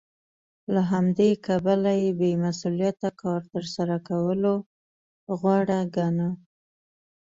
له همدې کبله یې بې مسوولیته کار تر سره کولو غوره ګاڼه